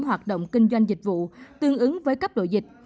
hoạt động kinh doanh dịch vụ tương ứng với cấp độ dịch